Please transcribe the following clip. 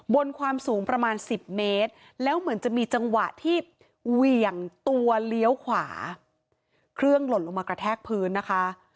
บนความสูงประมาณ๑๐เมตรแล้วเหมือนจะมีจังหวะที่เหวี่ยงตัวเลี้ยวขวาเครื่องหล่นลงมากระแทกพื้นนะคะ